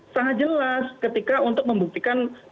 sangat jelas ketika untuk membuktikan